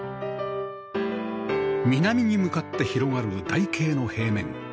南に向かって広がる台形の平面